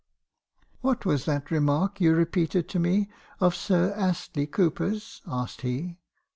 " 'What was that remark you repeated to me of Sir Astley Cooper's?' asked he.